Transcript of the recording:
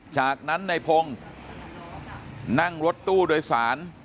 จากนั้นในพงศ์นั่งรถตู้โดยสาร